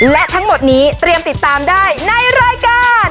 และทั้งหมดนี้เตรียมติดตามได้ในรายการ